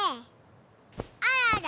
あらら。